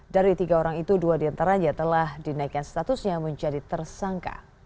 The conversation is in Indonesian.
dari tiga orang itu dua diantaranya telah dinaikkan statusnya menjadi tersangka